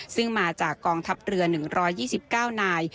ซึ่งมาจากกองทัพเรือ๑๒๙นาย